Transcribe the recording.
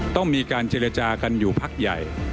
ต้องมีการเจรจากันอยู่พักใหญ่